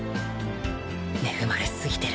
恵まれ過ぎてる。